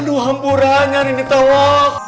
aduh hampurahnya nih nih towo